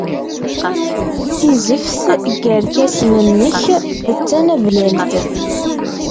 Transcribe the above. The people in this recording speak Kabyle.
Tizeft n yerkasen-nnek d tanablalt.